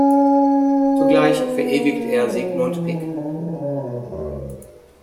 Zugleich verewigt er Sigmund Pick.